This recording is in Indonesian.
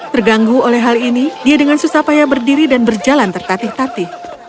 terganggu oleh hal ini dia dengan susah payah berdiri dan berjalan tertatih tatih